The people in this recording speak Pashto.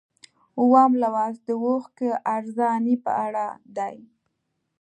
اووم لوست د اوښکو ارزاني په اړه دی.